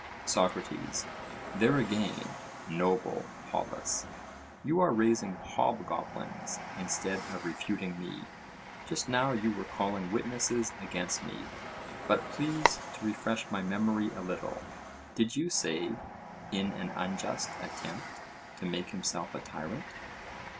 SOCRATES: There again, noble Polus, you are raising hobgoblins instead of refuting me; just now you were calling witnesses against me. But please to refresh my memory a little; did you say—"in an unjust attempt to make himself a tyrant"?